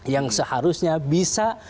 yang seharusnya bisa